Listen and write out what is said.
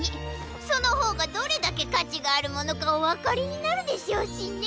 そのほうがどれだけかちがあるものかおわかりになるでしょうしね。